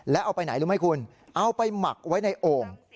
แล้วเอาไปไหนรู้ไหมคุณเอาไปหมักไว้ในโอ่ง